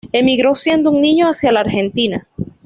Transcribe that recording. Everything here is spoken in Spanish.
Emigró siendo un niño hacia la Argentina.